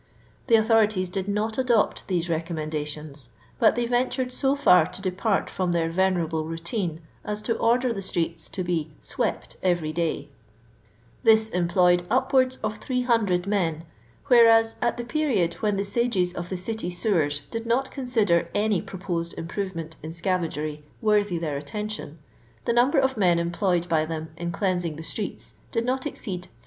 The authorities did not adopt these recommendations, but they ventured so far to depart from their venerable routine as to order the streeU to be " swept every day I " This employed upwards of 300 men, whereas at the period when the sages of the city sewers did not consider any proposed improvement in scavagery worthy their attention, the number of men employed by them in cleansing the streeU did not exceed 80.